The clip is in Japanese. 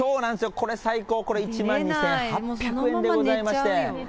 これ、最高、これ、１万２８００円でございまして。